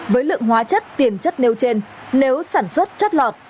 với lượng hóa chất tiền chất nêu trên nếu sản xuất chất lọt